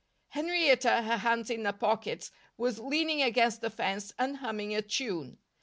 Henrietta, her hands in her pockets, was leaning against the fence and humming a tune.